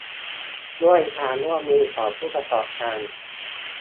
ด้วยความร่วมมือของผู้ประกอบการ